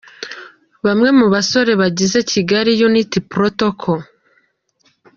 Bamwe mu basore bagize Kigali Unity Protocol.